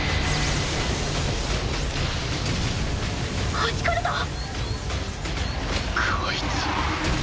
はじかれた⁉こいつ。